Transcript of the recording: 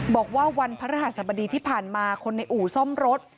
บอกว่าวันพระรหัสบดีที่ผ่านมาคนในอู่ซ่อมรถ